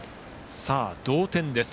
同点です。